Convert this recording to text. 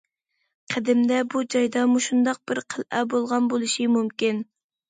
قەدىمدە بۇ جايدا مۇشۇنداق بىر قەلئە بولغان بولۇشى مۇمكىن.